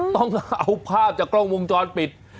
ต้องเอาภาพจากกล้องวงจรปิด